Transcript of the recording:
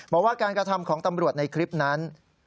บอกว่าการกระทำของตำรวจในคลิปนั้น